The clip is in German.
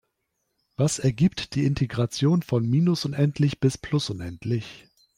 Was ergibt die Integration von minus unendlich bis plus unendlich?